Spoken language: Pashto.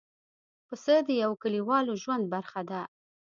پسه د یوه کلیوالو ژوند برخه ده.